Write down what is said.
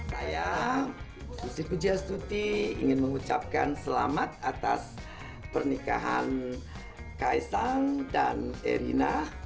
saya susi pujastuti ingin mengucapkan selamat atas pernikahan kaisang dan erina